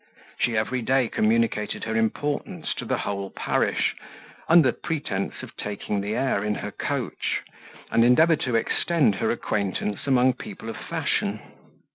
She every day communicated her importance to the whole parish, under pretence of taking the air in her coach, and endeavoured to extend her acquaintance among people of fashion.